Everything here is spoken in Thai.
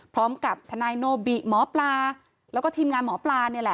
พร้อมกับทนายโนบิหมอปลาแล้วก็ทีมงานหมอปลานี่แหละ